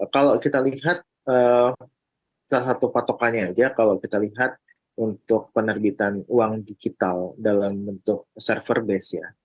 kalau kita lihat salah satu patokannya aja kalau kita lihat untuk penerbitan uang digital dalam bentuk server base ya